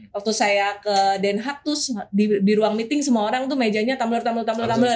waktu saya ke den haag tuh di ruang meeting semua orang tuh mejanya tumbler tumbler tumbler gitu kan